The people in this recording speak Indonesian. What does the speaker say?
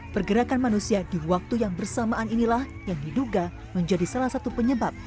pergerakan manusia di waktu yang bersamaan inilah yang diduga menjadi salah satu penyebab